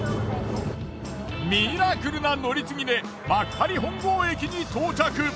ミラクルな乗り継ぎで幕張本郷駅に到着。